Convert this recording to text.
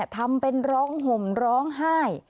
ทำเป็นร้องห่มร้องไห้